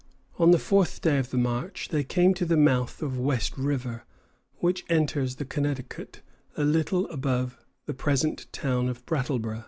On the fourth day of the march they came to the mouth of West River, which enters the Connecticut a little above the present town of Brattleboro'.